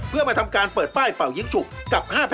เพื่อมาทำการเปิดป้ายเป่ายิ้งฉุกกับ๕๘